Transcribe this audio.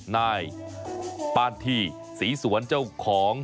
นายปานทีศรีสวนเจ้าของ